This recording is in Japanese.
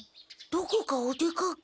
どこかお出かけ？